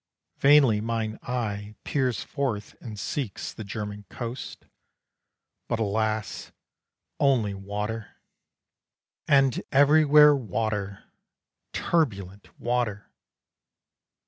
Vainly mine eye peers forth and seeks The German coast. But alas! only water, And everywhere water turbulent water!